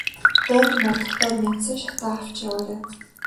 Дайнд мордохдоо мяндсан шатаа авч яваарай.